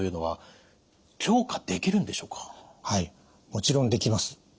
もちろんできます。